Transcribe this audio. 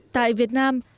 tại việt nam